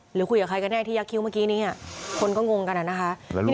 หรือคุยกับใครกันแน่ที่ยักษิ้วเมื่อกี้นี้คนก็งงกันอะนะคะ